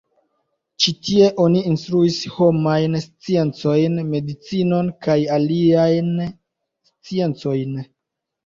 Ĉi tie oni instruis homajn sciencojn, medicinon kaj aliajn sciencojn.